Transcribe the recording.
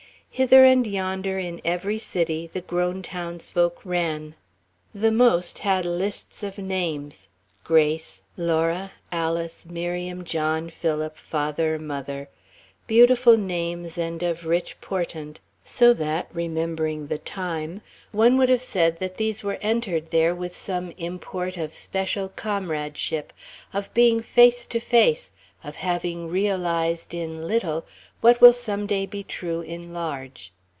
Hither and yonder in every city the grown townsfolk ran. The most had lists of names, Grace, Margaret, Laura, Alice, Miriam, John, Philip, Father, Mother, beautiful names and of rich portent, so that, remembering the time, one would have said that these were entered there with some import of special comradeship, of being face to face, of having realized in little what will some day be true in large.